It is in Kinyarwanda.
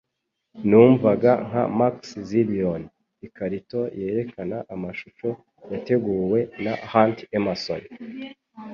Numvaga nka Max Zillion, ikarito yerekana amashusho yateguwe na Hunt Emerson